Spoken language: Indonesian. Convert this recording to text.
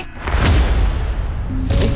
eh buru ini